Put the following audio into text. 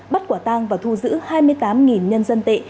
bắt quả tang và thu giữ hai mươi tám nhân dân tệ